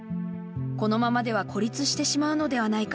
このままでは孤立してしまうのではないか。